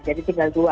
jadi tinggal dua